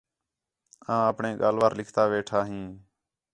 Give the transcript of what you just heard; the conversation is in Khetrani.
آں آپݨے ڳالھ وار لکھتا ویٹھا ہیں